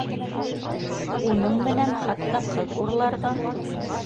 Уның менән хатта ҡыҙ урларға